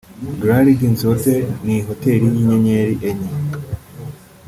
Grand Legacy Hotel ni hoteri y’inyenyeri enye